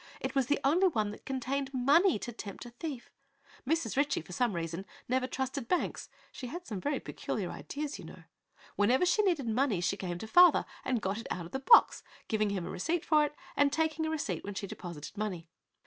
It was the only one that contained money to tempt a thief. Mrs. Ritchie, for some reason, never trusted banks. She has some very peculiar ideas, you know. Whenever she needed money she came to father and got it out of the box, giving him a receipt for it and taking a receipt when she deposited money.